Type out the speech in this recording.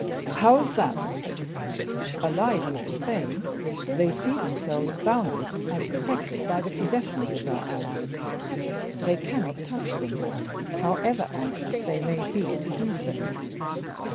"How is that?" "Allied with Spain, they see themselves bounded and protected by the possessions of their allies; they cannot touch them, however anxious they may be to do so.